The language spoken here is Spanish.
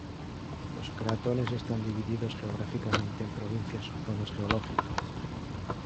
Los cratones están divididos geográficamente en provincias o zonas geológicas.